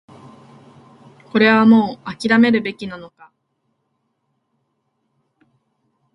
これはもう諦めるべきなのか